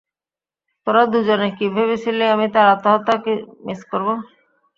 তোরা দুজনে কি ভেবেছিলি আমি তার আত্মহত্যা মিস করব?